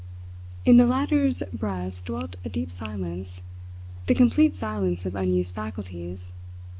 In the latter's breast dwelt a deep silence, the complete silence of unused faculties.